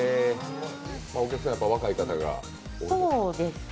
お客さんは若い方が多いですか？